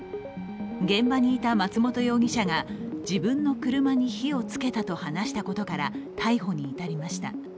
現場にいた松本容疑者が自分の車に火をつけたと話したことから逮捕に至りました。